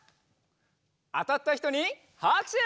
あたったひとにはくしゅ！